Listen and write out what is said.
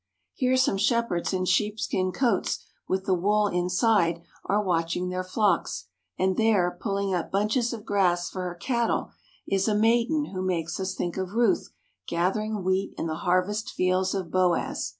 Here some shepherds in sheep skin coats, with the wool inside, are watching their flocks, and there, pulling up bunches of grass for her cattle, is a maiden who makes us think of Ruth gathering wheat in the harvest fields of Boaz.